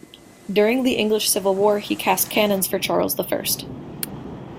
During the English Civil War he cast cannons for Charles the First.